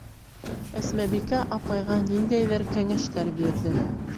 Әсмәбикә апайға ниндәйҙер кәңәштәр бирҙе.